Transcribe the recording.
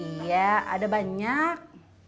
iya ada banyak